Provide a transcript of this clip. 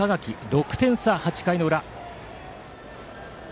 ６点差、８回の裏。